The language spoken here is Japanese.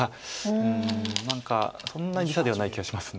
うん何かそんなに微差ではない気がします。